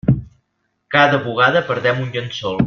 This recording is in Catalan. Cada bugada perdem un llençol.